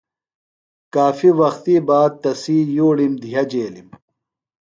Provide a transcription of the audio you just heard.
کافیۡ وختی باد تسی یُوڑِم دِھیہ جیلِم۔